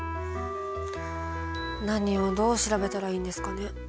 何をどう調べたらいいんですかね。